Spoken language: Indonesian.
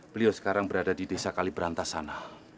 beliau sekarang berada di desa kalibrantasana